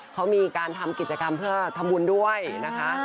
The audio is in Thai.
เขามีการทำกิจกรรมเพื่อทำบุญด้วยนะคะ